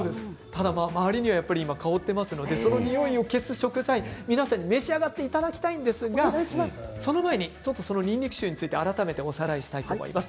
周りには香っていますのでそのにおいを消す食材皆さんに召し上がっていただきたいんですが、その前ににんにく臭について改めておさらいしたいと思います。